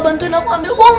bantuin aku ambil uang